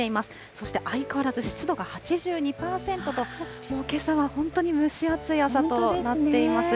そして相変わらず湿度が８２％と、もう、けさは本当に蒸し暑い朝となっています。